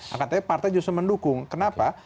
angkatnya partai justru mendukung kenapa